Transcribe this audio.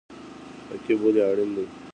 تعقیب ولې اړین دی؟